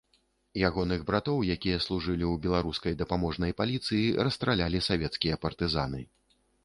Ягоных братоў, якія служылі ў беларускай дапаможнай паліцыі, расстралялі савецкія партызаны.